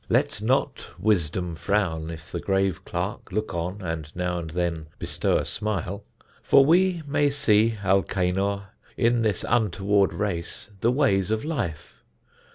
Let not wisdom frown, If the grave clerk look on, and now and then Bestow a smile; for we may see, Alcanor, In this untoward race the ways of life.